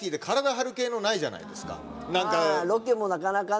ロケもなかなかね。